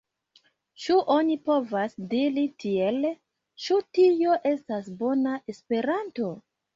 Ĉu oni povas diri tiel, ĉu tio estas bona Esperanto?